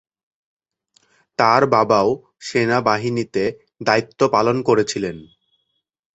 তাঁর বাবাও সেনাবাহিনীতে দায়িত্ব পালন করেছিলেন।